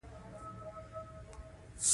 د لمر رڼا د قدرت یوه نښه ده.